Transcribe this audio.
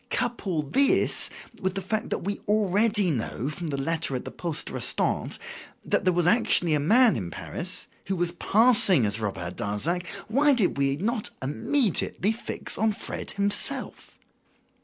Couple this with the fact we already knew, from the letter at the poste restante, that there was actually a man in Paris who was passing as Robert Darzac, why did we not immediately fix on Fred himself?